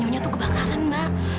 nyonya tuh kebakaran mbak